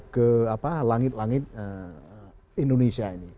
ke langit langit indonesia ini